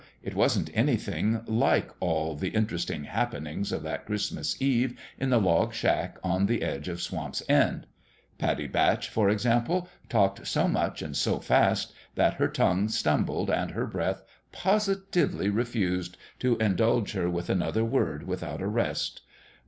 It wasn't anything like all the interesting happenings of that Christmas Eve in the log shack on the edge of Swamp's End. Pattie Batch, for example, talked so much and so fast that her tongue stumbled and her breath posi tively refused to indulge her with another word without a rest.